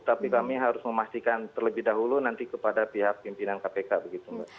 tapi kami harus memastikan terlebih dahulu nanti kepada pihak pimpinan kpk begitu mbak